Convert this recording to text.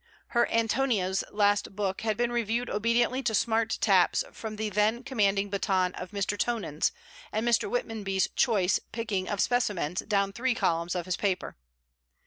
Her ANTONIA'S last book had been reviewed obediently to smart taps from the then commanding baton of Mr. Tonans, and Mr. Whitmonby's choice picking of specimens down three columns of his paper.